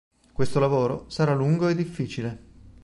Questo lavoro sarà lungo e difficile.